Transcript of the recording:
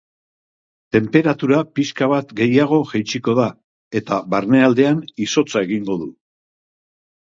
Tenperatura pixka bat gehiago jaitsiko da, eta barnealdean izotza egingo du.